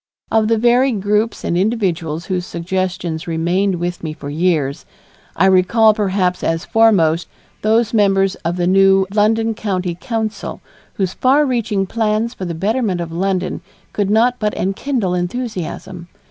Of the varied groups and individuals whose suggestions remained with me for years, I recall perhaps as foremost those members of the new London County Council whose far reaching plans for the betterment of London could not but enkindle enthusiasm.